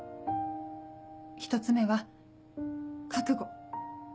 １つ目は「覚悟」。